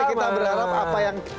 kita berharap apa yang